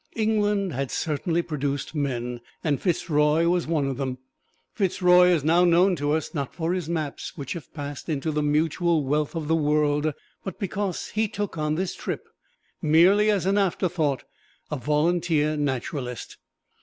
England has certainly produced men and Fitz Roy was one of them. Fitz Roy is now known to us, not for his maps which have passed into the mutual wealth of the world, but because he took on this trip, merely as an afterthought, a volunteer naturalist.